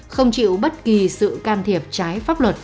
không chịu bất kỳ sự can thiệp trái pháp luật